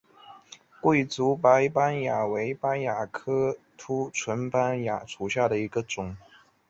桂竹白斑蚜为斑蚜科凸唇斑蚜属下的一个种。